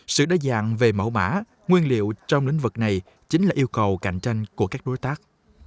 sự đa dạng về mẫu mã nguyên liệu trong lĩnh vực này chính là yêu cầu cạnh tranh của các đối tác